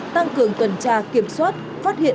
tăng cường tuần tra kiểm soát phát hiện